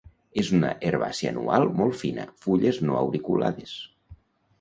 És una herbàcia anual molt fina. Fulles no auriculades.